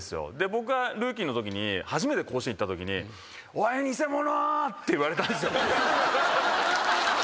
僕がルーキーのときに初めて甲子園行ったときに。って言われたんですよ。